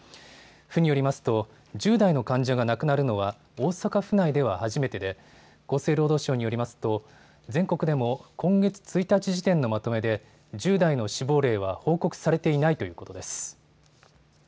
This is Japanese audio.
府によりますと１０代の患者が亡くなるのは大阪府内では初めてで厚生労働省によりますと全国でも今月１日時点のまとめで１０代の死亡例は報告されていないということです。